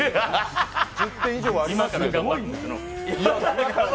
今から頑張るんでの。